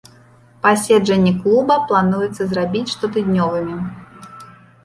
Паседжанні клуба плануецца зрабіць штотыднёвымі.